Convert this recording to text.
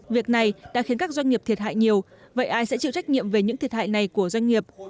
việc này đã khiến các doanh nghiệp thiệt hại nhiều vậy ai sẽ chịu trách nhiệm về những thiệt hại này của doanh nghiệp